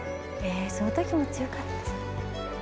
そのときも強かった。